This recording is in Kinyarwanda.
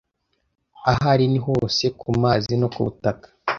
Ahari ni hose kumazi no kubutaka.